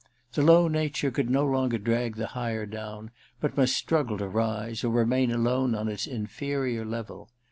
The low nature could no longer drag the higher down, but must struggle to rise, or remain alone on its inferior level.